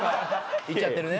いっちゃってるね。